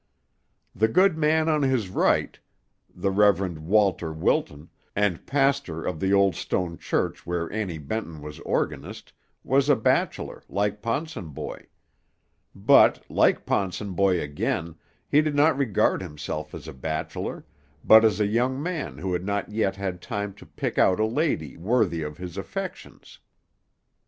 The good man on his right, the Rev. Walter Wilton, and pastor of the old stone church where Annie Benton was organist, was a bachelor, like Ponsonboy; but, like Ponsonboy again, he did not regard himself as a bachelor, but as a young man who had not yet had time to pick out a lady worthy of his affections.